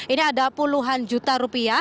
ini ada puluhan juta rupiah